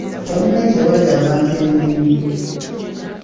Gavumenti ewadde abantu emirimu.